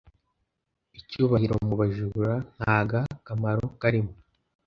icyubahiro mu bajura ntaga kamaro karimo